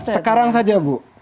sekarang saja bu